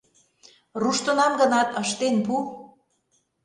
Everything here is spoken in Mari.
— Руштынам гынат, ыштен пу...